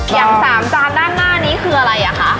อย่าง๓จานด้านหน้านี้คืออะไรอ่ะคะ